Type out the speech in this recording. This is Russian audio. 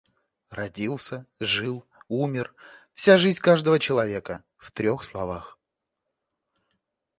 Родился, жил, умер. Вся жизнь каждого человека в трёх слова.